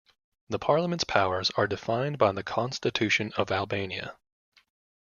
The Parliament's powers are defined by the Constitution of Albania.